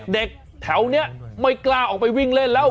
เด็กแถวนี้ไม่กล้าออกไปวิ่งเล่นแล้ว